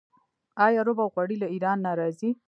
آیا رب او غوړي له ایران نه راځي؟